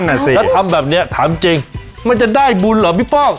ถ้าทำแบบนี้ถามจริงมันจะได้บุญเหรอพี่ป้อง